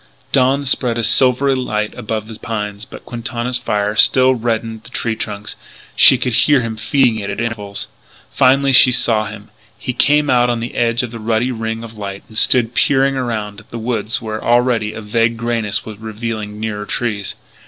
Dawn spread a silvery light above the pines, but Quintana's fire still reddened the tree trunks; and she could hear him feeding it at intervals. Finally she saw him. He came out on the edge of the ruddy ring of light and stood peering around at the woods where already a vague greyness was revealing nearer trees.